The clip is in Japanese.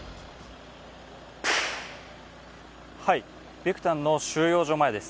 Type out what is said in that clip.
ビクタンの収容所前です。